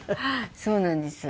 そうなんです。